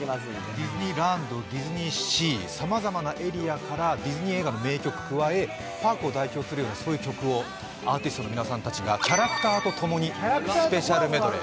ディズニーランド、ディズニーシー、さまざまなエリアからディズニー映画の名曲に加えパークを代表するようなアーティストの皆さんたちがキャラクターとともにスペシャルメドレー。